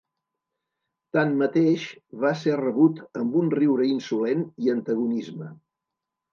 Tanmateix, va ser rebut amb un riure insolent i antagonisme.